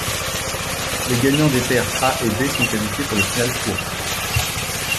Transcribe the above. Les gagnants des paires A et B sont qualifiés pour le Final Four.